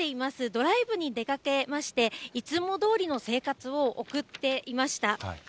ドライブに出かけまして、いつもどおりの生活を送っていました。